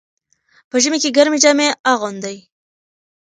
په ژمي کې ګرمې جامې اغوندئ.